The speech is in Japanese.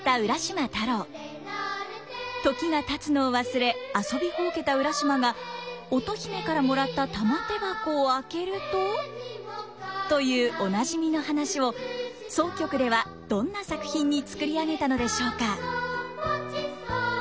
時がたつのを忘れ遊びほうけた浦島が乙姫からもらった玉手箱を開けるとというおなじみの話を箏曲ではどんな作品に作り上げたのでしょうか？